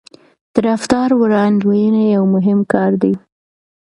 د رفتار وړاندوينه یو مهم کار دی.